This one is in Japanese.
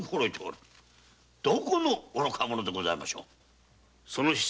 どこの愚か者でございましょう。